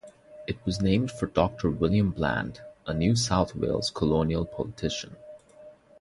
It was named for Doctor William Bland, a New South Wales colonial politician.